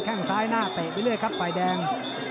แค่งซ้ายหน้าเตะไปเรื่อยครับฝ่ายแดง